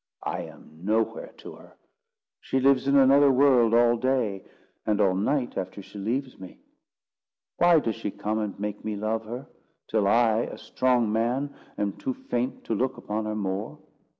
I am nowhere to her. She lives in another world all day, and all night, after she leaves me. Why does she come and make me love her, till I, a strong man, am too faint to look upon her more?"